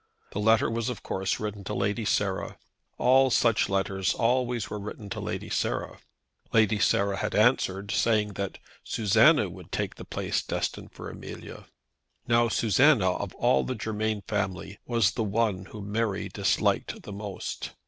The letter was of course written to Lady Sarah. All such letters always were written to Lady Sarah. Lady Sarah had answered, saying, that Susanna would take the place destined for Amelia. Now Susanna, of all the Germain family, was the one whom Mary disliked the most.